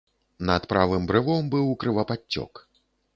Над правым брывом быў крывападцёк.